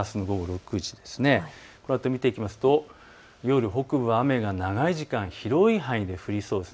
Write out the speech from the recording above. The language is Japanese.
このあと見ていくと夜北部は雨が長い時間、広い範囲で降りそうです。